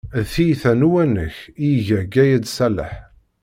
D tiyita n uwanek i iga Gayed Ṣaleḥ.